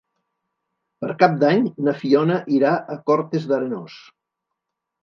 Per Cap d'Any na Fiona irà a Cortes d'Arenós.